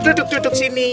duduk duduk sini